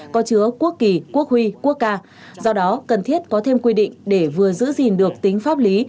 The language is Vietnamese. có chứa quốc kỳ quốc huy quốc ca do đó cần thiết có thêm quy định để vừa giữ gìn được tính pháp lý